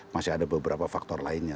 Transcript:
masih ada beberapa faktor lainnya